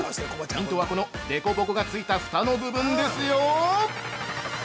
ヒントは、この凹凸がついたふたの部分ですよ。